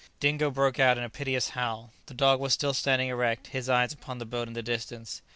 Dingo broke out into a piteous howl. The dog was still standing erect, his eye upon the boat in the distance.